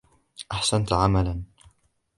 أحسنت عملا!